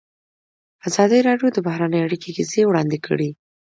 ازادي راډیو د بهرنۍ اړیکې کیسې وړاندې کړي.